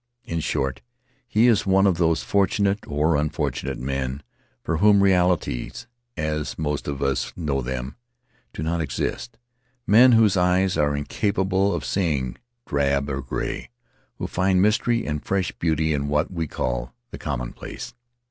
In short, he is one of those fortunate, or unfortunate, men for whom realities, as most of us know them, do not exist; men whose eyes are incapable of seeing drab or gray, who find mystery and fresh beauty in what we call the commonplace.